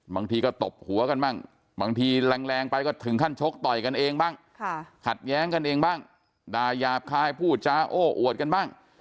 บางทีก็ตบหัวกันบ้างบางทีแรงไปก็ถึงขั้นชกต่อยกันเองบ้างขัดแย้งกันเองบ้างด่ายาบคายพูดจาโอ้อวดกันบ้าง